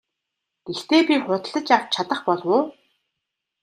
Гэхдээ би худалдаж авч чадах болов уу?